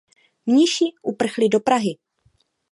Mniši uprchli do Prahy.